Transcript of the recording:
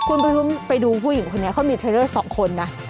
คุณไปดูผู้หญิงคนนี้เขามีเทรเดอร์สองคนนะ